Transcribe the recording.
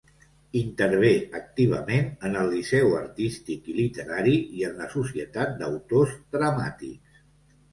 Intervé activament en el Liceu Artístic i Literari i en la Societat d'Autors Dramàtics.